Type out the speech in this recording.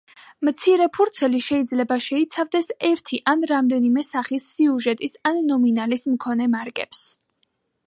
მცირე ფურცელი შეიძლება შეიცავდეს ერთი ან რამდენიმე სახის, სიუჟეტის ან ნომინალის მქონე მარკებს.